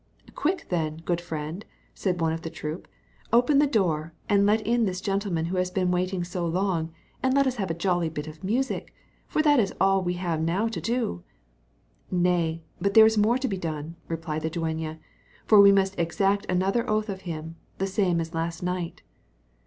"Quick then, good friend," said one of the troop, "open the door, and let in this gentleman who has been waiting so long, and let us have a jolly bout of music, for that is all we have now to do." "Nay, but there is more to be done," replied the dueña; "for we must exact another oath of him; the same as last night."